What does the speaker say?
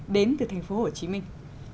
đến từ thành phố hồ chí minh